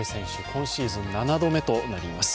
今シーズン７度目となります。